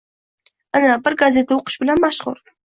Ana, biri gazeta o’qish bilan mashg’ul.